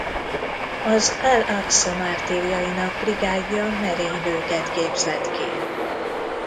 Az Al-Aksza Mártírjainak Brigádja merénylőket képzett ki.